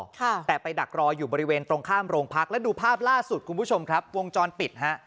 ค่ะแต่ไปดักรออยู่บริเวณตรงข้ามโรงพักแล้วดูภาพล่าสุดคุณผู้ชมครับวงจรปิดฮะ